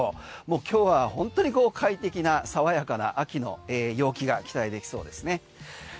今日は本当に快適な爽やかな秋の陽気が期待できそうですね。